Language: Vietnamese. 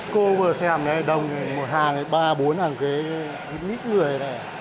cô vừa xem này đông một hàng ba bốn hàng kế ít người này